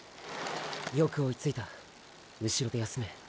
よく追いついた後ろで休め。